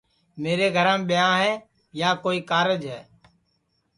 میرے گھرام ٻیاں ہے یا کوئی کارج ہے